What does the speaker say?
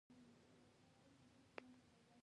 باران د افغانستان د جغرافیایي موقیعت یوه پایله ده.